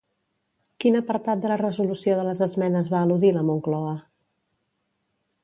Quin apartat de la resolució de les esmenes va eludir la Moncloa?